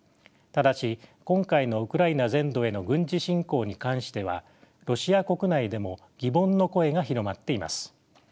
ただし今回のウクライナ全土への軍事侵攻に関してはロシア国内でも疑問の声が広まっています。